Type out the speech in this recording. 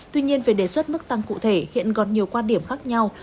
tuy nhiên về đề xuất mức tăng cụ thể hiện còn nhiều quan điểm khác nhau